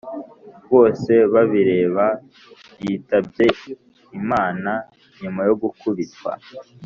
bosebabireba yitabye imana nyuma yo gukubitwa